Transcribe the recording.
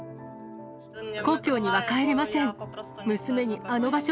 故郷には帰れません。